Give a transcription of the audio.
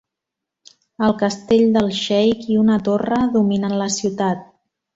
El castell del xeic i una torre dominen la ciutat.